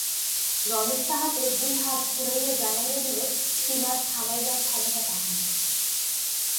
রমেশ তাহাকে দুই হাত ঘুরাইয়া জানাইয়া দিল, স্টীমার থামাইবার ক্ষমতা তাহার নাই।